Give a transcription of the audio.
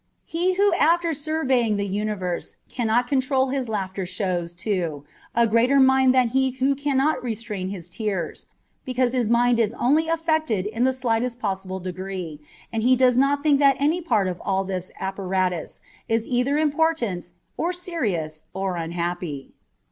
He who after surveying the universe cannot control his laughter shows, too, a greater mind than he who cannot restrain his tears, because his mind is only affected in the slightest possible degree, and he does not think that any part of all this apparatus is either important, or serious, or unhappy.